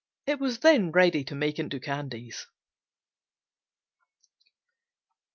It was then ready to make into candies.